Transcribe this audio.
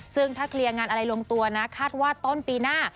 ซึ่งถ้าเคลียร์งานอะไรลงตัวนะคาดว่าต้นปีหน้า